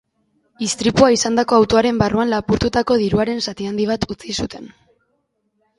Istripua izandako autoaren barruan lapurtutako diruaren zati handi bat utzi zuten.